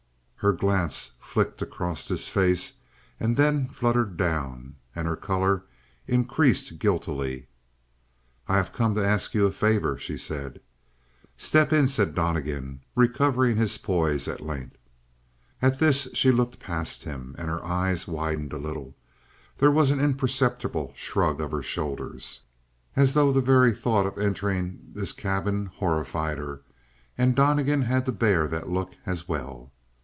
Her glance flicked across his face and then fluttered down, and her color increased guiltily. "I have come to ask you a favor," she said. "Step in," said Donnegan, recovering his poise at length. At this, she looked past him, and her eyes widened a little. There was an imperceptible shrug of her shoulders, as though the very thought of entering this cabin horrified her. And Donnegan had to bear that look as well.